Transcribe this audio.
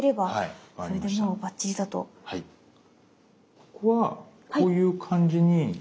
ここはこういう感じに。